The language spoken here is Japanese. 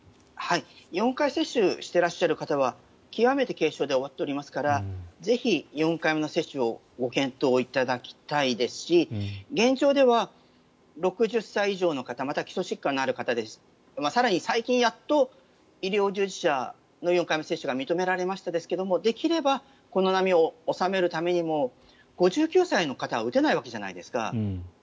４回接種していらっしゃる方は極めて軽症で終わっていらっしゃいますからぜひ４回目の接種をご検討いただきたいですし現状では６０歳以上の方また、基礎疾患のある方更に最近、やっと医療従事者の４回目接種が認められましたけどできればこの波を収めるためにも５９歳の方は打てないわけじゃないですか。